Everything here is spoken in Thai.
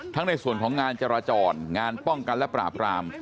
ในส่วนของงานจราจรงานป้องกันและปราบราม